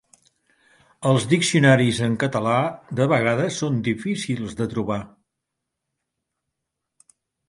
Els diccionaris en català de vegades són difícils de trobar.